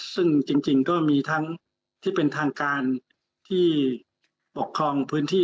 ซึ่งจริงก็มีทั้งที่เป็นทางการที่ปกครองพื้นที่